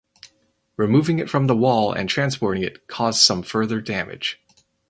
Removing it from the wall and transporting it caused some further damage.